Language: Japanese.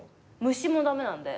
虫も駄目なんで。